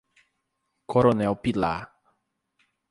Coronel Pilar